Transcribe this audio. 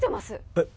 えっ